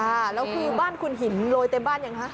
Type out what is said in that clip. ค่ะแล้วคือบ้านคุณหินโรยเต็มบ้านยังคะ